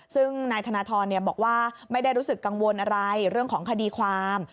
ซึ่งนายธนทรบอกว่าไม่ได้รู้สึกกังวลอะไรเรื่องของคดีความ